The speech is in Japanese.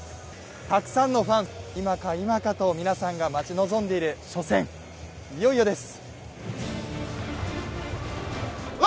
たくさんのファン、今か今かと皆さんが待ち望んでいる初戦、いよいよです。